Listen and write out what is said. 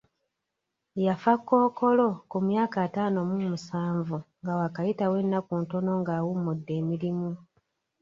Yafa kkookolo ku myaka ataano mu musanvu nga waakayitawo ennaku ntono nga awummudde emirimu.